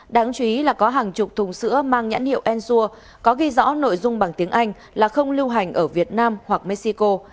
đáng chú ý là có hàng chục thùng sữa mang nhãn hiệu ensur có ghi rõ nội dung bằng tiếng anh là không lưu hành ở việt nam hoặc mexico